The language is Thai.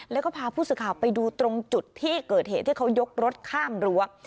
แล้วก็พาผู้สื่อข่าวไปดูตรงจุดที่เกิดเหตุที่เขายกรถข้ามรั้ว